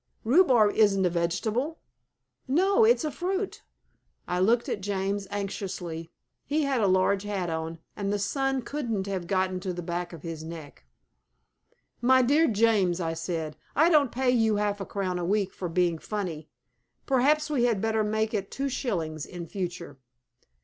Rhubarb isn't a vegetable." "No, it's a fruit." I looked at James anxiously. He had a large hat on, and the sun couldn't have got to the back of his neck. "My dear James," I said, "I don't pay you half a crown a week for being funny. Perhaps we had better make it two shillings in future."